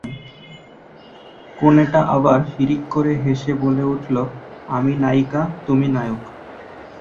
কনেটা আবার ফিড়িক করে হেসে বলে উঠল - আমি নায়িকা, তুমি নায়ক।